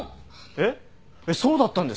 えっそうだったんですか？